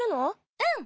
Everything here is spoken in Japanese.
うん。